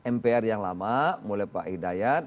mpr yang lama mulai pak hidayat